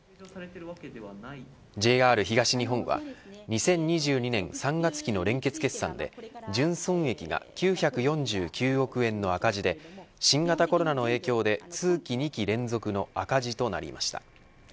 ＪＲ東日本は２０２２年３月期の連結決算で純損益が９４９億円の赤字で新型コロナの影響で通期２期連続の赤字となりました。